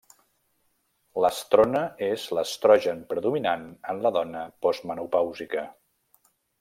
L'estrona és l'estrogen predominant en la dona postmenopàusica.